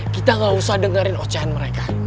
kita gak usah dengerin ocean mereka